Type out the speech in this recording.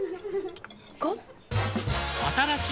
５？